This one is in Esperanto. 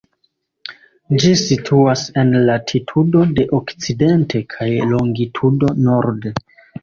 Ĝi situas en latitudo de okcidente kaj longitudo norde.